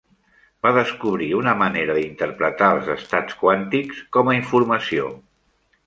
Va descobrir una manera d'interpretar els estats quàntics com a informació.